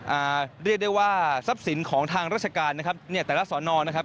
อ่าเรียกได้ว่าทรัพย์สินของทางราชการนะครับเนี่ยแต่ละสอนอนะครับ